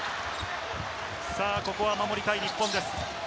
ここは守りたい日本です。